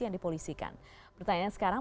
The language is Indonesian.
yang dipolisikan pertanyaan sekarang